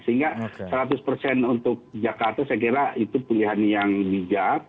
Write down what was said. sehingga seratus persen untuk jakarta saya kira itu pilihan yang bijak